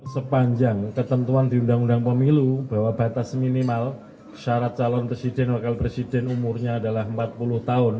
sepanjang ketentuan di undang undang pemilu bahwa batas minimal syarat calon presiden dan wakil presiden umurnya adalah empat puluh tahun